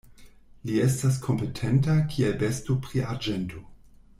Li estas kompetenta, kiel besto pri arĝento.